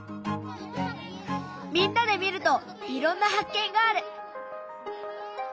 みんなで見るといろんな発見がある！